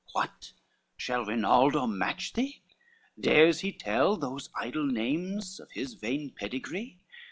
XIX What, shall Rinaldo match thee? dares he tell Those idle names of his vain pedigree?